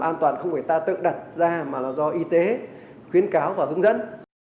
an toàn không phải ta tự đặt ra mà là do y tế khuyến cáo và hướng dẫn